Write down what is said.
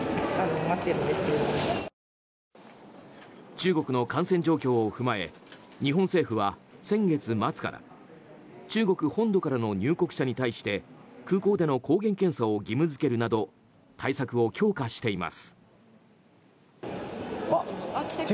中国の感染状況を踏まえ日本政府は先月末から中国本土からの入国者に対して空港での抗原検査を義務付けるなど対策を強化しています。